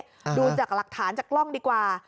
ดูจากหลักฐานจากกล้องดีกว่า